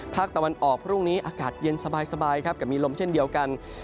ภาคตะวันออกพรุ่งนี้อากาศเย็นสบายครับกับมีลมเช่นเดียวกัน